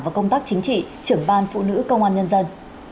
và công tác chính trị trưởng ban phụ nữ công an nhân dân